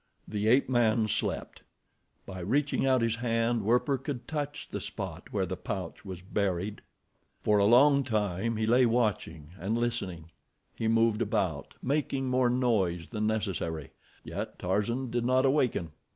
The ape man slept. By reaching out his hand Werper could touch the spot where the pouch was buried. For a long time he lay watching and listening. He moved about, making more noise than necessary, yet Tarzan did not awaken.